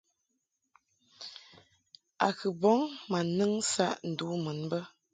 A kɨ bɔŋ ma nɨŋ saʼ ndu mun bə.